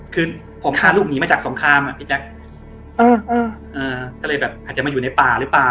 คือผมพาลูกหนีมาจากสงครามอ่ะพี่แจ๊คก็เลยแบบอาจจะมาอยู่ในป่าหรือเปล่า